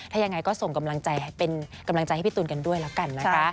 ถ้ายังไงก็ส่งกำลังใจให้พี่ตูนกันด้วยแล้วกันนะคะ